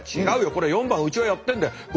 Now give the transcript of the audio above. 「違うよこれ４番うちがやってんだよ